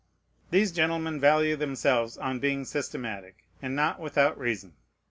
These gentlemen value themselves on being systematic, and not without reason.